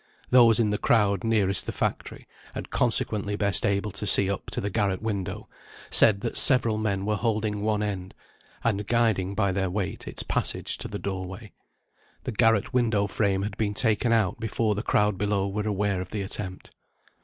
Those in the crowd nearest the factory, and consequently best able to see up to the garret window, said that several men were holding one end, and guiding by their weight its passage to the door way. The garret window frame had been taken out before the crowd below were aware of the attempt.